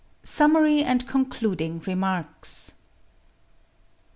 A SUMMARY AND CONCLUDING REMARKS.